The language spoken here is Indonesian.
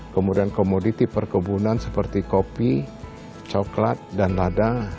kemudian komoditi perkebunan seperti kopi coklat dan lada